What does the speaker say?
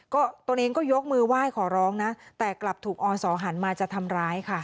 ก็ตัวเองก็ยกมือไหว้ขอร้องนะแต่กลับถูกอศหันมาจะทำร้ายค่ะ